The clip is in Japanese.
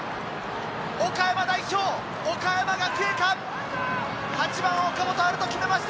岡山代表・岡山学芸館、８番・岡本温叶が決めました！